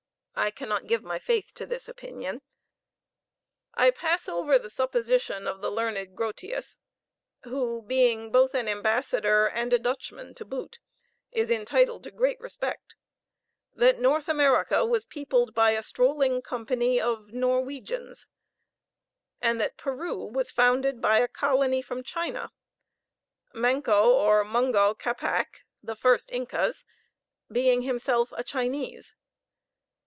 I cannot give my faith to this opinion. I pass over the supposition of the learned Grotius, who being both an ambassador and a Dutchman to boot, is entitled to great respect, that North America was peopled by a strolling company of Norwegians, and that Peru was founded by a colony from China Manco or Mungo Capac, the first Incas, being himself a Chinese.